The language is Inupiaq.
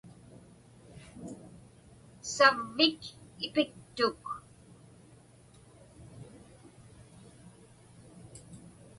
Savvik ipiktuk.